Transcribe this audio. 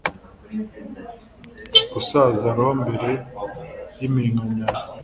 gusaza roho mbere yiminkanyari